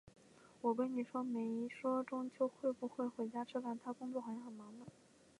我闺女没说中秋会不会回家吃饭，她工作好像很忙呢。